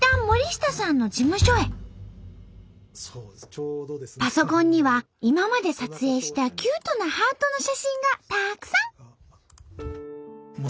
いったんパソコンには今まで撮影したキュートなハートの写真がたくさん。